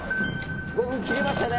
５分切りましたね